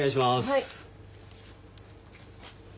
はい。